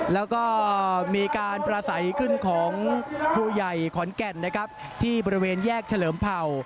แล้วก็มีการประสัยขึ้นของครูใหญ่ขอนแก่นนะครับที่บริเวณแยกเฉลิมเผ่า